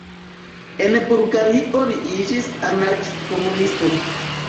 En Bulgario li iĝis anarki-komunisto.